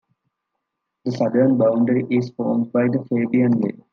The southern boundary is formed by the Fabian Way.